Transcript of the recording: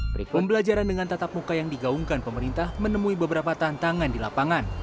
pembelajaran dengan tatap muka yang digaungkan pemerintah menemui beberapa tantangan di lapangan